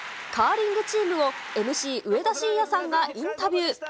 カーリングチームをＭＣ上田晋也さんがインタビュー。